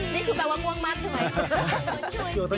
นี่คือแปลว่าง่วงมากใช่ไหม